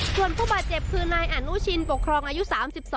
ส่วนผู้บาดเจ็บคือนายอนุชินปกครองอายุ๓๒